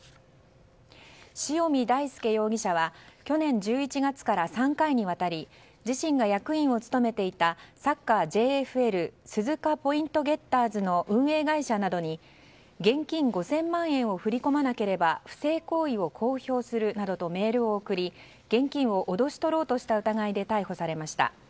塩見大輔容疑者は去年１１月から３回にわたり自身が役員を務めていたサッカーＪＦＬ鈴鹿ポイントゲッターズの運営会社などに現金５０００万円を振り込まなければ不正行為を公表するなどとメールを送り現金を脅し取ろうとした疑いで逮捕されました。